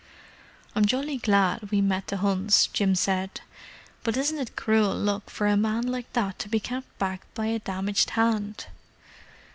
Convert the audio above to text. "I'm jolly glad we met the Hunts," Jim said. "But isn't it cruel luck for a man like that to be kept back by a damaged hand!"